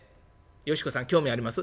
よし子さん興味あります？」。